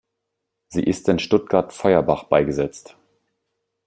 Sie ist in Stuttgart-Feuerbach beigesetzt.